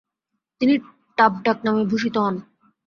তিনি টাপ ডাকনামে ভূষিত হন।